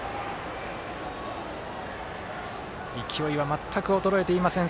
勢いは全く衰えていません